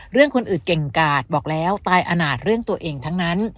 เรื่องคนอื่นเก่งกาดบอกแล้วตายอาณาจเรื่องตัวเองทั้งนั้น